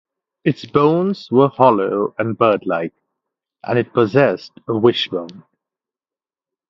Its bones were hollow and bird-like, and it possessed a wishbone.